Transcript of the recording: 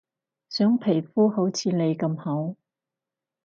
想皮膚好似你咁好